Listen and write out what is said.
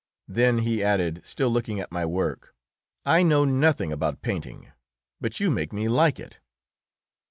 Then he added, still looking at my work, "I know nothing about painting, but you make me like it."